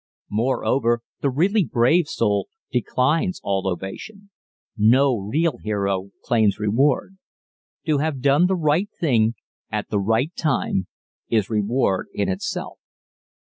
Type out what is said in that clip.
Moreover, the really brave soul declines all ovation. No real hero claims reward. _To have done the right thing at the right time is reward in itself.